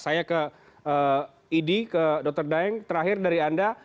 saya ke idi ke dr daeng terakhir dari anda